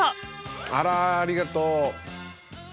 あらありがとう。